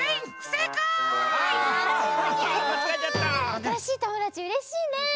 あたらしいともだちうれしいね！